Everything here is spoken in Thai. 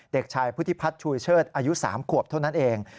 เด็กชายพุทธิพัฒน์ชูยเชิดอายุ๓ขวบเท่านั้นเอง